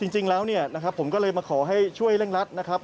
จริงแล้วผมก็เลยมาขอช่วยเร่งรัตน์นะครับ